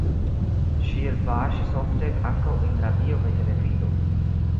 Ŝi elpaŝis ofte ankaŭ en radio kaj televido.